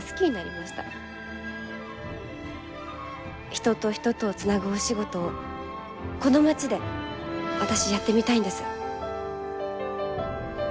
人と人とをつなぐお仕事をこの町で私やってみたいんです。